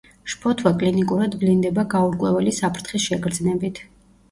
შფოთვა კლინიკურად ვლინდება გაურკვეველი საფრთხის შეგრძნებით.